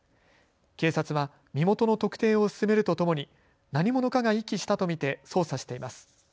警察は身元の特定を進めるとともに何者かが遺棄したと見て捜査しています。